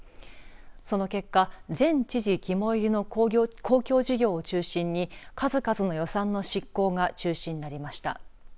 その結果、前知事肝いりの公共事業を中心に数々の予算の執行が中止になりました。